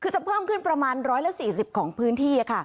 คือจะเพิ่มขึ้นประมาณ๑๔๐ของพื้นที่